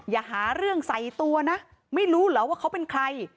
อย่าหาเรื่องใส่ตัวนะไม่รู้เหรอว่าเขาเป็นใคร